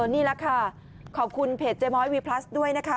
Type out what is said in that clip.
นี่แหละค่ะขอบคุณเพจเจม้อยวีพลัสด้วยนะคะ